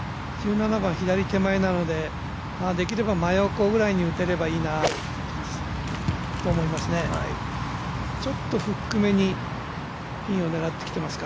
１７番左手前なので、できれば真横ぐらいに打てればいいなって思います。